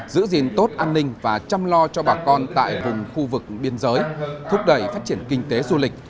giữ gìn tốt an ninh và chăm lo cho bà con tại vùng khu vực biên giới thúc đẩy phát triển kinh tế du lịch